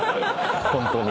ホントに。